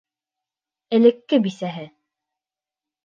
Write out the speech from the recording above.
Элекке бисәһе!